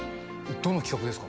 どの企画ですか？